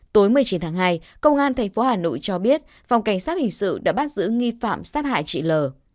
tối một mươi chín tháng hai công an tp hà nội cho biết phòng cảnh sát hình sự đã bắt giữ nghi phạm sát hại chị l